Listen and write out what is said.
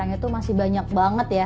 itu masih banyak banget ya